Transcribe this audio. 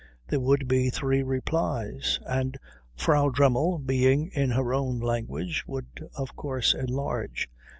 There would be three replies; and Frau Dremmel, being in her own language, would of course enlarge.